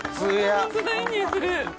ホントだいい匂いする。